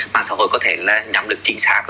mạng xã hội có thể nhắm được chính xác